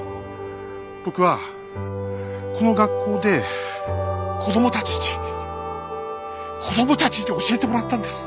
僕はこの学校で子供たちに子供たちに教えてもらったんです。